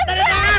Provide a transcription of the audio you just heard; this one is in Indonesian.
cepat ada tangan